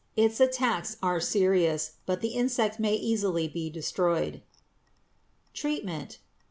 Its attacks are serious, but the insect may easily be destroyed. _Treatment.